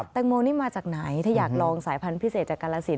แตงโมนี่มาจากไหนถ้าอยากลองสายพันธุพิเศษจากกาลสิน